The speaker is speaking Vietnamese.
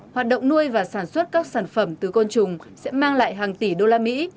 hoạt động nuôi và sản xuất các sản phẩm từ côn trùng sẽ mang lại hàng tỷ đô la mỹ